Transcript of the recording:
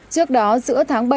trước đó giữa tháng bảy